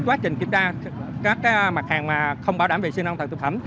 quá trình kiểm tra các mặt hàng không bảo đảm vệ sinh an toàn thực phẩm